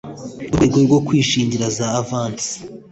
urwego rwo kwishingira za avansi